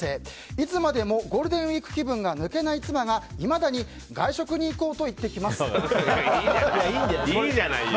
いつまでもゴールデンウィーク気分が抜けない妻がいまだにいいじゃないよ。